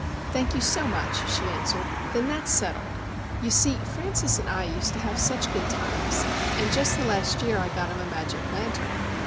"Thank you so much," she answered. "Then that's settled. You see Francis and I used to have such good times, and just the last year I got him a magic lantern.